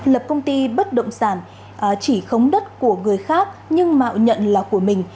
lập công ty bất động sản chỉ khống đất của người khác nhưng mạo nhận là của mình